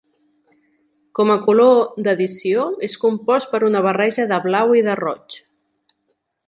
Com a color d'addició és compost per una barreja de blau i de roig.